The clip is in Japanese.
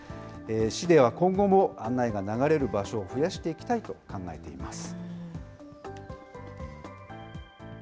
市では今後も案内が流れる場所を増やしていきたいと考えています。